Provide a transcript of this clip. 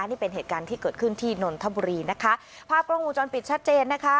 นี่เป็นเหตุการณ์ที่เกิดขึ้นที่นนทบุรีนะคะภาพกล้องวงจรปิดชัดเจนนะคะ